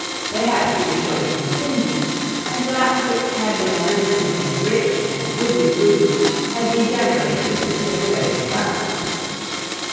They had, to be sure, become dingy, and that which had been originally a rich and goodly ruby had degenerated into a reddish brown.